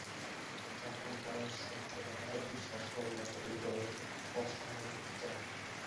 এখনকার সভ্যতাটা দুঃশাসনের মতো হৃদয়ের বস্ত্রহরণ করতে চায়।